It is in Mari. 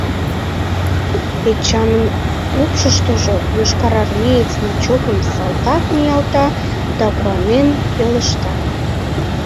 Эчанын упшыштыжо йошкарармеец значокым салтак ниялта да куанен пелешта: